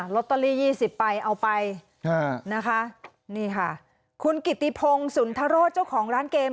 ลอตเตอรี่๒๐ใบเอาไปคุณกิตติโพงสุนธโรชเจ้าของร้านเกม